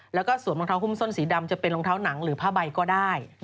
แล้วก็สวมรองเท้าหุ้มส้นสีดำจะเป็นรองเท้าหนังหรือผ้าใบก็ได้